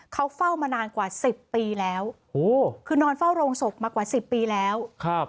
เขาเฝ้ามานานกว่าสิบปีแล้วโอ้โหคือนอนเฝ้าโรงศพมากว่าสิบปีแล้วครับ